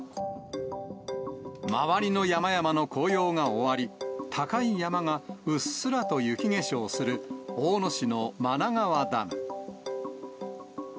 周りの山々の紅葉が終わり、高い山がうっすらと雪化粧する大野市の真名川ダム。